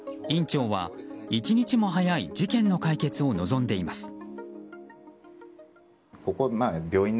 院長は一日も早い事件の解決を望んでいます。